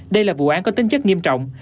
đây là vụ án có tính chất nghiêm trọng